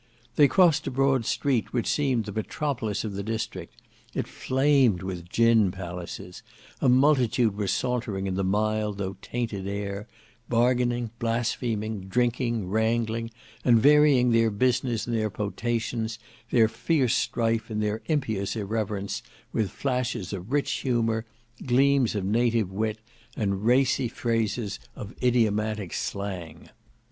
They crossed a broad street which seemed the metropolis of the district; it flamed with gin palaces; a multitude were sauntering in the mild though tainted air; bargaining, blaspheming, drinking, wrangling: and varying their business and their potations, their fierce strife and their impious irreverence, with flashes of rich humour, gleams of native wit, and racy phrases of idiomatic slang.